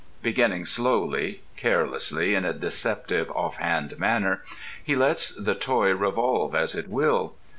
Beginning slowly, carelessly, in a deceptive, offhand manner, he lets the toy revolve as it will.